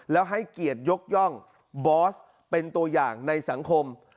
แล้วให้เกียรติยกย่องบอสเป็นตัวอย่างในสังคม